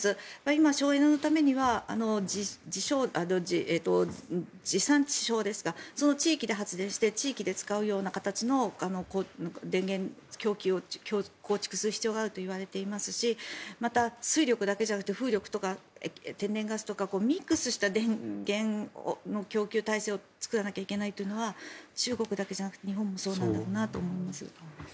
今、省エネのためには地産地消ですかその地域で発電して地域で使うような形の電源を構築する必要があるといわれていますしまた、水力だけじゃなくて風力とか天然ガスとかミックスした電源の供給体制を作らなきゃいけないというのは中国だけじゃなくて日本もそうなんだろうなと思います。